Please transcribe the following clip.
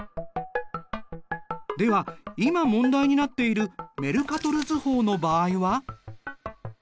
では今問題になっているメルカトル図法の場合は？